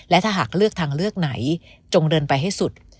และถ้าหากเลือกทางเลือกไหนจงเดินไปให้สุด